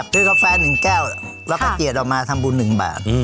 คือกาแฟหนึ่งแก้ว๑๑๐อันเตียดออกมาทำบุญหนึ่งบาท